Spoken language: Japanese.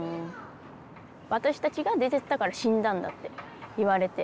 私たちが出てったから死んだんだって言われて。